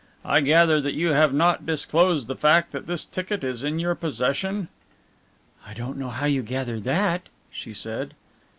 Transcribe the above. I gather that you have not disclosed the fact that this ticket is in your possession." "I don't know how you gather that," she said.